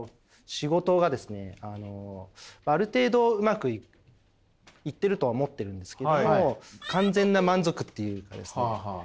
仕事がですねある程度うまくいってるとは思ってるんですけど完全な満足っていうかですね